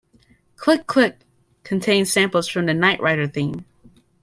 "Click Click" contains samples from the "Knight Rider" theme.